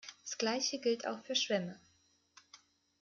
Das Gleiche gilt auch für Schwämme.